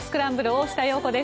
大下容子です。